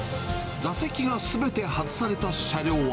座席がすべて外された車両は。